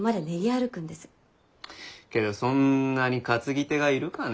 けどそんなに担ぎ手がいるかね？